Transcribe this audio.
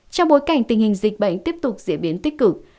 trong bối cảnh tình hình dịch bệnh tiếp tục diễn biến tích cực